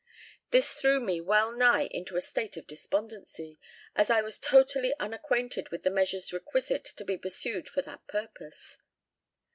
This threw me well nigh into a state of despondency, as I was totally unacquainted with the measures requisite to be pursued for that purpose.